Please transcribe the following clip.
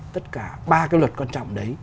tất cả ba cái luật quan trọng đấy